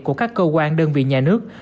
của các cơ quan đơn vị nhà nước